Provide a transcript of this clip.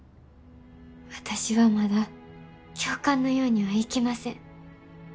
私はまだ教官のようにはいきません。